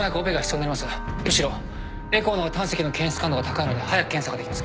むしろエコーの方が胆石の検出感度が高いので早く検査ができます